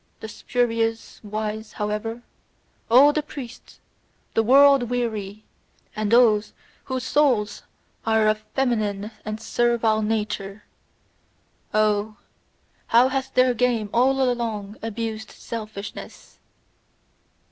The spurious wise, however, all the priests, the world weary, and those whose souls are of feminine and servile nature oh, how hath their game all along abused selfishness!